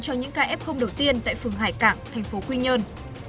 cho những ca f đầu tiên tại phường hải cảng tp quy nhơn